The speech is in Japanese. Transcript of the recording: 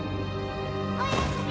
おやすみ！